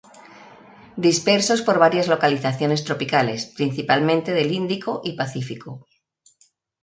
Dispersos por varias localizaciones tropicales, principalmente del Índico y Pacífico.